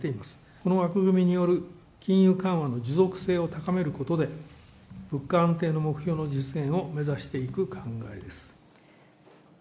この枠組みによる金融緩和の持続性を高めることで、物価安定の目標の実現を目指していく考えです。